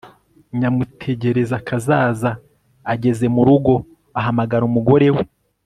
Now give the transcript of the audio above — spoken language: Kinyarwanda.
nyamutegerakazaza ageze mu rugo ahamagara umugore we